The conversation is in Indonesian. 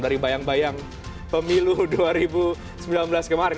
dari bayang bayang pemilu dua ribu sembilan belas kemarin